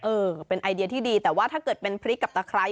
เออเป็นไอเดียที่ดีแต่ว่าถ้าเกิดเป็นพริกกับตะไคร้